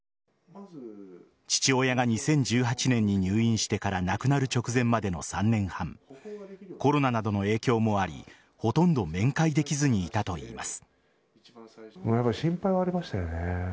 父親が２０１８年に入院してから亡くなる直前までの３年半コロナなどの影響もありほとんど面会できずにいたといいます。